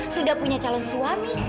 sudah punya calon suami